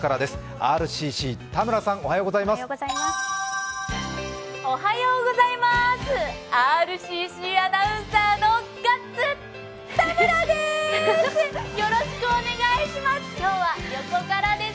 ＲＣＣのアナウンサーのガッツ・田村です。